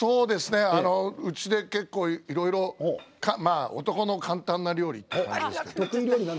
うちで結構、いろいろ男の簡単な料理って感じですけど。